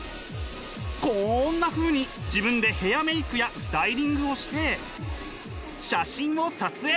こんなふうに自分でヘアメイクやスタイリングをして写真を撮影。